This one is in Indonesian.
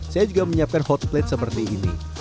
saya juga menyiapkan hot plate seperti ini